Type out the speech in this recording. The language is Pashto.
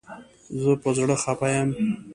زه په زړه خپه یم